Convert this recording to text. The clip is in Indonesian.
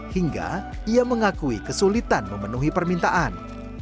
hingga ia mengakui kesulitan memenuhi permintaan